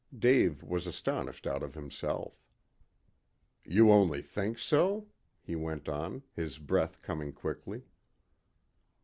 Dave was astonished out of himself. "You only think so?" he went on, his breath coming quickly.